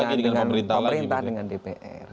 iya karena dengan pemerintah dengan dpr